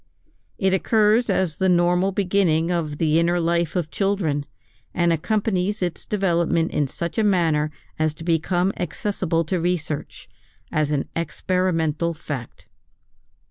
It occurs as the normal beginning of the inner life of children, and accompanies its development in such a manner as to become accessible to research, as an experimental fact.